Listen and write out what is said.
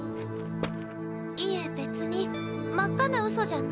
いえ別に真っ赤なうそじゃないですよ。